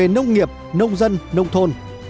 nông nghiệp nông dân nông thôn